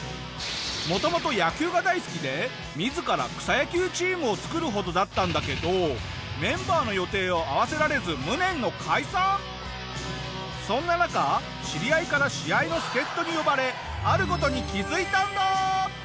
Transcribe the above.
元々野球が大好きで自ら草野球チームを作るほどだったんだけどメンバーの予定を合わせられずそんな中知り合いから試合の助っ人に呼ばれある事に気づいたんだ！